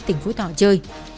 tỉnh phú thọ chơi